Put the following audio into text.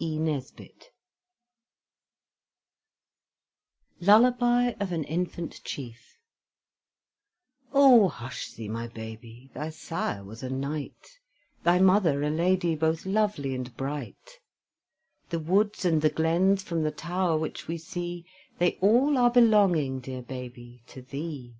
E. NESBIT LULLABY OF AN INFANT CHIEF Oh, hush thee, my babie, thy sire was a knight, Thy mother a lady, both lovely and bright; The woods and the glens from the tower which we see, They all are belonging, dear babie, to thee.